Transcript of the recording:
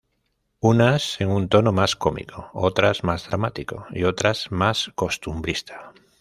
Unas en un tono más cómico, otras más dramático y otras más costumbrista.